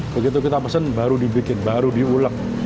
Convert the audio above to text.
begitu kita pesen baru dibikin baru diulek